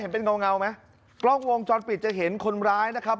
เป็นเงาไหมกล้องวงจรปิดจะเห็นคนร้ายนะครับ